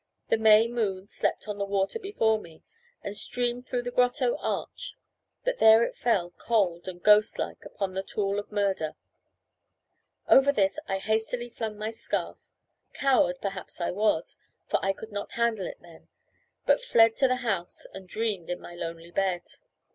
The May moon slept on the water before me, and streamed through the grotto arch; but there it fell cold and ghost like upon the tool of murder. Over this I hastily flung my scarf; coward, perhaps I was, for I could not handle it then, but fled to the house and dreamed in my lonely bed.